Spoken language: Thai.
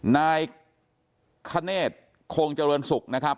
นายคเนธคงเจริญศุกร์นะครับ